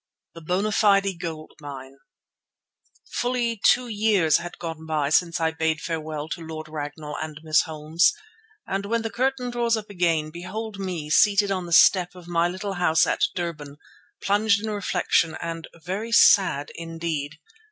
THE BONA FIDE GOLD MINE Fully two years had gone by since I bade farewell to Lord Ragnall and Miss Holmes, and when the curtain draws up again behold me seated on the stoep of my little house at Durban, plunged in reflection and very sad indeed.